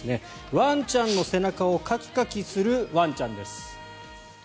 ワンちゃんの背中をカキカキするワンちゃんです。